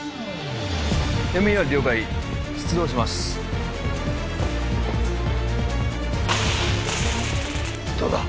ＭＥＲ了解出動しますどうだ？